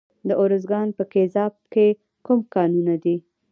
د ارزګان په ګیزاب کې کوم کانونه دي؟